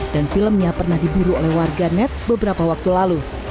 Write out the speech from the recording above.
dan filmnya pernah diburu oleh warga net beberapa waktu lalu